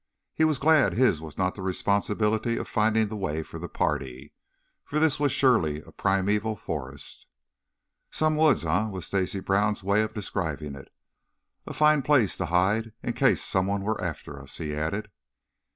He was glad his was not the responsibility of finding the way for the party, for this was surely a primeval forest. "Some woods, eh?" was Stacy Brown's way of describing it. "A fine place to hide, in case someone were after us," he added.